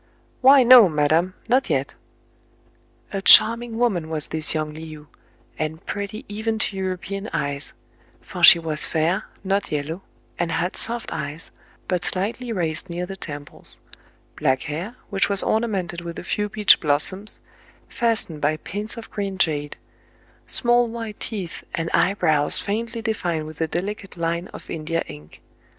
"Why no, madam, not yet !" A charming woman was this young Le ou, and pretty even to European eyes : for she was fair, not yellow, and had soft eyes, but slightly raised near the temples ; black hair, which was orna mented with a few peach blossoms, fastened by pins of green jade ; small white teeth, and eye brows faintly defined with a delicate line of India ink.